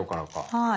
はい。